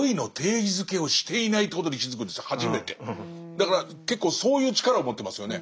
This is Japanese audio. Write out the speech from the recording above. だから結構そういう力を持ってますよね。